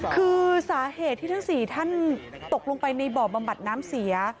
คือสาเหตุที่ทั้ง๔ท่านตกลงไปในบ่อบำบัดน้ำเสีย